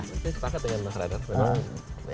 saya sepakat dengan mas radar sebenarnya